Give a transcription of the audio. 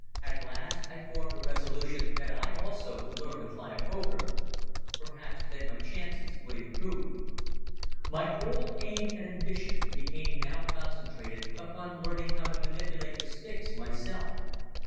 At last I formed a resolution that I also would learn to fly a Fokker. Perhaps then my chances would improve. My whole aim and ambition became now concentrated upon learning how to manipulate the sticks myself.